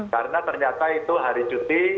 karena ternyata itu hari cuti